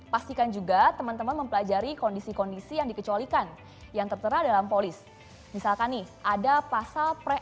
pastikan juga temen temen mempelajari kondisi kondisi yang dikecualikan yang tertera dalam polis